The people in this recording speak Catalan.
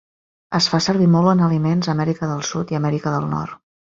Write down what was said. Es fa servir molt en aliments a Amèrica del Sud i a Amèrica del Nord.